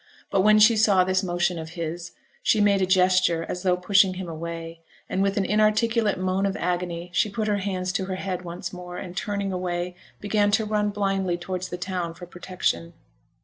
But when she saw this motion of his, she made a gesture as though pushing him away; and with an inarticulate moan of agony she put her hands to her head once more, and turning away began to run blindly towards the town for protection.